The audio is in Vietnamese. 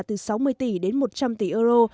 từ sáu mươi tỷ đến một trăm linh tỷ euro